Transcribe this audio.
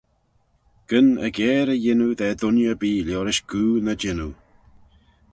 Gyn aggair y yannoo da dooinney erbee liorish goo ny jannoo.